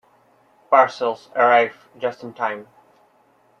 Parcels arrive just in time.